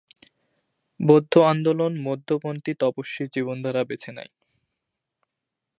বৌদ্ধ আন্দোলন মধ্যপন্থী তপস্বী জীবনধারা বেছে নেয়।